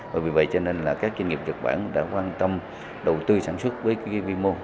vì vậy các doanh nghiệp nhật bản đã quan tâm đầu tư sản xuất với vi mô